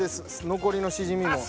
残りのシジミも。